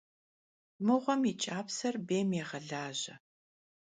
Mığuem yi ç'apser bêym yêğelaje.